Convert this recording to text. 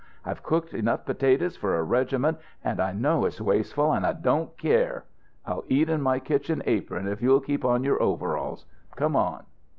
I've cooked enough potatoes for a regiment, and I know it's wasteful, and I don't care. I'll eat in my kitchen apron, if you'll keep on your overalls. Come on."